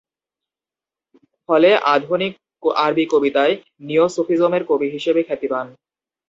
ফলে আধুনিক আরবী কবিতায় "নিও সুফিজম"-এর কবি হিসেবে খ্যাতি পান।